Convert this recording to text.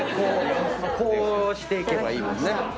こうしていけばいいもんね。